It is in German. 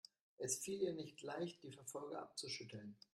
Es fiel ihr nicht leicht, die Verfolger abzuschütteln.